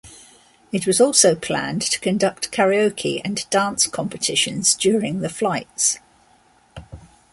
It was also planned to conduct karaoke and dance competitions during the flights.